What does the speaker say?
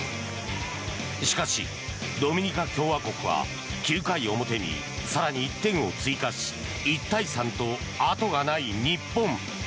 しかし、ドミニカ共和国は９回表に更に１点を追加し１対３と後がない日本。